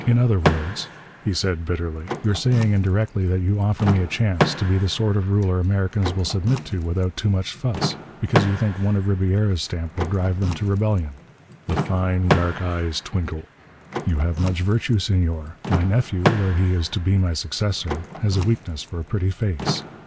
"In other words," he said bitterly, "you're saying indirectly that you offer me a chance to be the sort of ruler Americans will submit to without too much fuss, because you think one of Ribiera's stamp would drive them to rebellion." The fine dark eyes twinkled. "You have much virtue, Senor. My nephew though he is to be my successor has a weakness for a pretty face.